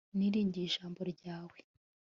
niringiye ijambo ryawe